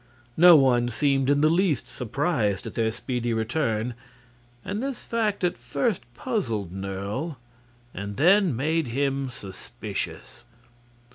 No one seemed in the least surprised at their speedy return, and this fact at first puzzled Nerle, and then made him suspicious.